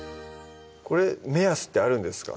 これ目安ってあるんですか？